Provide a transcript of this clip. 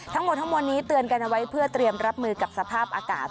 ทั้งหมดทั้งมวลนี้เตือนกันเอาไว้เพื่อเตรียมรับมือกับสภาพอากาศ